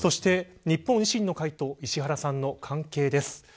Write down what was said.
日本維新の会と石原さんの関係です。